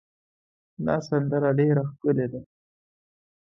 دا سندره ډېره ښکلې ده.